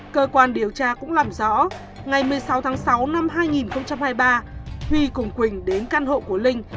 cơ quan điều tra cũng làm rõ ngày một mươi sáu tháng sáu năm hai nghìn hai mươi ba huy cùng quỳnh đến căn hộ của linh